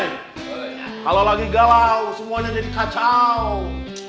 kalau lagi galau semuanya jadi kacau